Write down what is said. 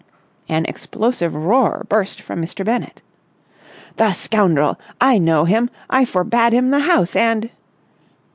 An explosive roar burst from Mr. Bennett. "The scoundrel! I know him! I forbade him the house, and...."